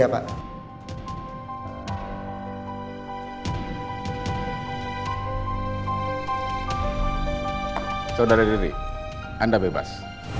pak tunggu pak